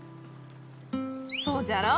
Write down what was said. そうじゃろ。